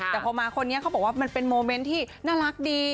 แต่พอมาคนนี้เขาบอกว่ามันเป็นโมเมนต์ที่น่ารักดี